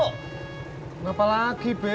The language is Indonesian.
kenapa lagi be